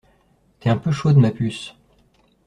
T'es un peu chaude ma puce.